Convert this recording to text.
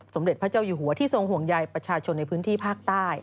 สมเด็จพระเจ้าอยู่หัวที่ทรงห่วงใยประชาชนในพื้นที่ภาคใต้